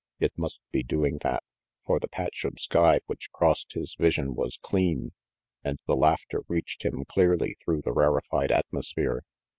It must be doing that, for the patch of sky which crossed his vision was clean, and the laughter reached him clearly through the rarified atmosphere.